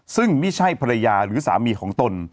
ซึ่งไม่ใช่ภรรยาหรือสามีของตน